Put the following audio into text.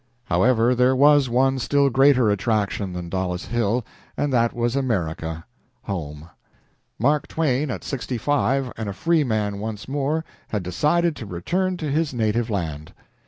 However, there was one still greater attraction than Dollis Hill, and that was America home. Mark Twain at sixty five and a free man once more had decided to return to his native land.